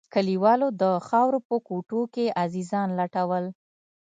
كليوالو د خاورو په کوټو کښې عزيزان لټول.